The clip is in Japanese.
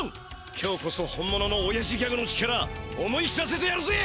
今日こそ本物のオヤジギャグの力思い知らせてやるぜ！